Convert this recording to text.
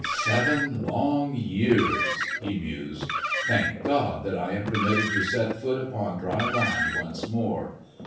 "Seven long years!" he mused. "Thank God, that I am permitted to set foot upon dry land once more!